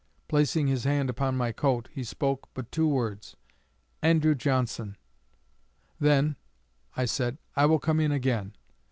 Placing his hand upon my coat, he spoke but two words: 'Andrew Johnson.' 'Then,' I said, 'I will come in again.'